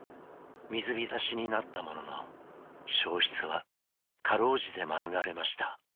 水浸しになったものの焼失は辛うじて免れました。